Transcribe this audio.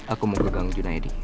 aku mau ke gang junaidi